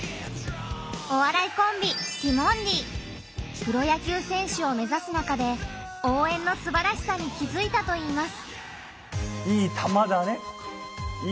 お笑いコンビプロ野球選手を目指す中で「応援」のすばらしさに気づいたといいます。